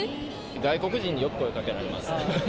外国人によく声かけられますね。